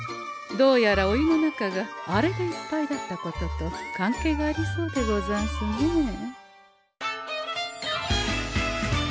どうやらお湯の中があれでいっぱいだったことと関係がありそうでござんすねえ。